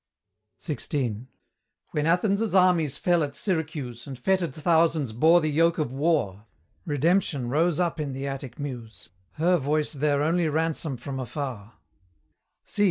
XVI. When Athens' armies fell at Syracuse, And fettered thousands bore the yoke of war, Redemption rose up in the Attic Muse, Her voice their only ransom from afar: See!